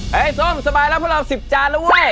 ไอ้ส้มสบายแล้วพวกเรา๑๐จานแล้วเว้ย